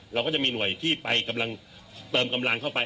เราก็จะมีหน่วยที่ไปกำลังเติมกำลังเข้าไป